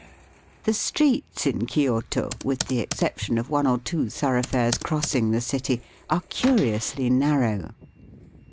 The streets in Kioto, with the exception of one or two thoroughfares crossing the city, are curiously narrow.